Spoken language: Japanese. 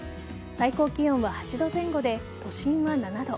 最高気温は８度前後で都心は７度。